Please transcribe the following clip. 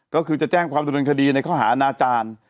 ก็คือจะแจ้งความดำเนินคดีในข้อหาอาณาจารย์